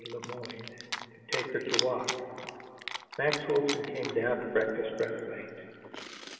Le Moyne to take her to walk, Max Wilson came down to breakfast rather late.